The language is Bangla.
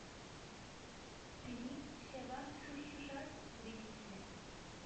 তিনি সেবা-শুশ্রূষার অধীনেই ছিলেন।